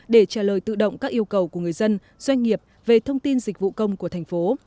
để trả lời tự động các yêu cầu của người dân doanh nghiệp về thông tin dịch vụ công của thành phố